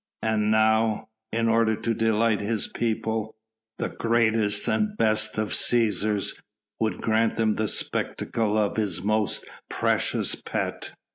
And now in order to delight his people the greatest and best of Cæsars would grant them the spectacle of his most precious pet.